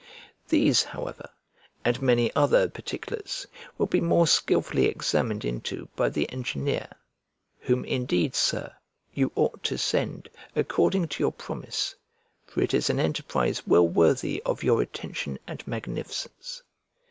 These, however, and many other particulars, will be more skilfully examined into by the engineer, whom, indeed, Sir, you ought to send, according to your promise, for it is an enterprise well worthy of your attention and magnificence.